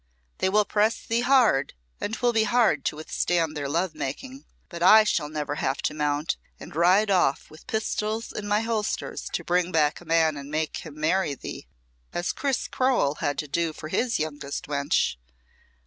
They will press thee hard and 'twill be hard to withstand their love making, but I shall never have to mount and ride off with pistols in my holsters to bring back a man and make him marry thee, as Chris Crowell had to do for his youngest wench.